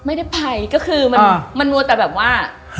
ไม่ได้ไปก็คือมันมัวแต่แบบว่า